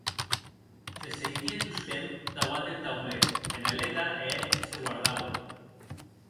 Se seiguie tostemp dauant deth taulèr, e Neleta e eth se guardauen.